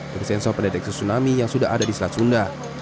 dari sensor pendeteksi tsunami yang sudah ada di selat sunda